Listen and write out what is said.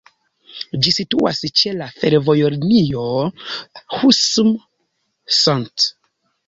Ĝi situas ĉe la fervojlinio Husum-St.